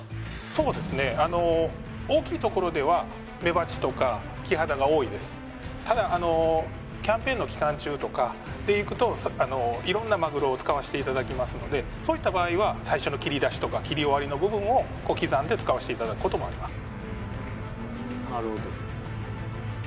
そうですね大きいところではただキャンペーンの期間中とかでいくと色んなまぐろを使わせていただきますのでそういった場合は最初の切り出しとか切り終わりの部分を刻んで使わせていただくこともあります